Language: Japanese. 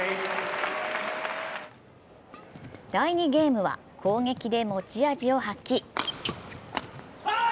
第２ゲームは攻撃で持ち味を発揮。